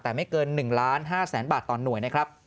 แต่ไม่เกิน๑๕ล้านบาทต่อหน่วย